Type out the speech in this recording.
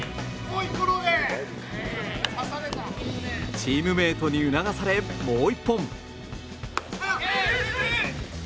チームメートに促されもう１本。